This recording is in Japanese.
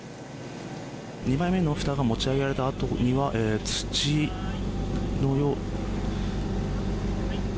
２枚目のふたが持ち上げられたあとには土のような。